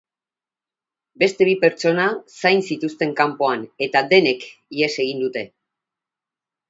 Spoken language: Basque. Beste bi pertsona zain zituzten kanpoan eta denek ihes egin dute.